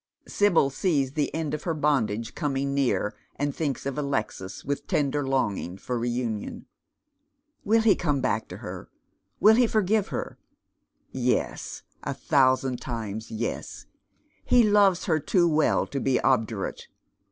Sibyl sees the end of her bondage coming near, and thinks of Alexis with tender longing for reunion. Will he come back to her? Will he forgive her? Yes, a thousand times yes. He loves her too well to be obdurate.